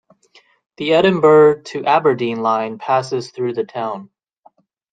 The Edinburgh to Aberdeen Line passes through the town.